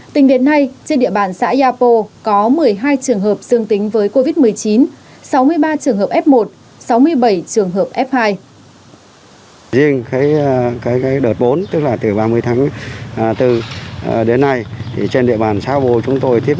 tính đến nay trên địa bàn xã yapo có một mươi hai trường hợp dương tính với covid một mươi chín sáu mươi ba trường hợp f một sáu mươi bảy trường hợp f hai